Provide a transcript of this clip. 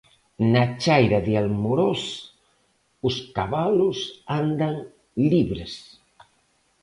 Na Chaira de Amoroz os cabalos andan libres.